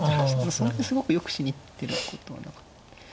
そんなにすごくよくしに行ってることはなかった。